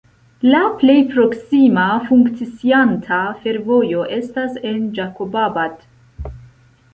La plej proksima funkcianta fervojo estas en Ĝakobabad.